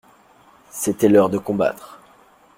C'était l'heure de combattre.